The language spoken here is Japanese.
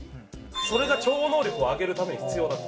それが超能力を上げるために必要だと。